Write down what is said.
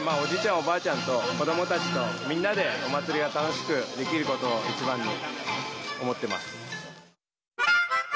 おばあちゃんと子どもたちとみんなでお祭りが楽しくできることをいちばんに思ってます。